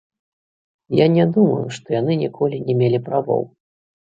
Я не думаю, што яны ніколі не мелі правоў.